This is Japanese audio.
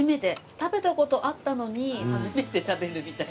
食べた事あったのに初めて食べるみたいな。